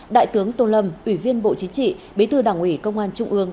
đại tướng tô lâm ủy viên bộ chính trị bí thư đảng ủy công an trung ương